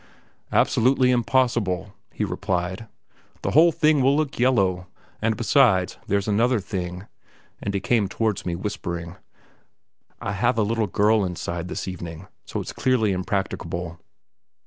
"Absolutely impossible," he replied; "the whole thing will look yellow; and, besides, there's another thing" and he came towards me, whispering: "I have a little girl inside this evening, so it's clearly impracticable."